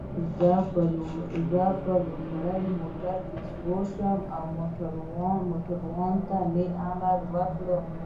زه په لومړي موټر کې سپور شوم، موټروان ته مې امر وکړ.